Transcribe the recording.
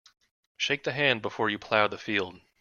Shake the hand before you plough the field.